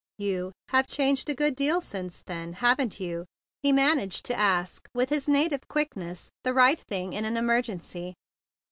"You—have changed a good deal since then, haven't you?" he managed to ask with his native quickness to say the right tiling in an emergency.